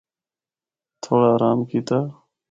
تھوڑا آرام کیتا۔